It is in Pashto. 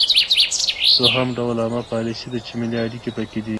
دوهم ډول عامه پالیسي ده چې ملي اړیکې پکې دي